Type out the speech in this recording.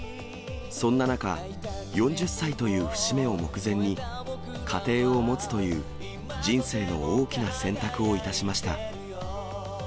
そんな中、４０歳という節目を目前に、家庭を持つという人生の大きな選択をいたしました。